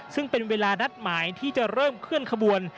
ซึ่งเป็นเวลานัดหมายที่จะเริ่มเคลื่อนขบวน